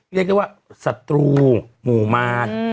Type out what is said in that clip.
เรียกได้ว่าศัตรูหมู่มาร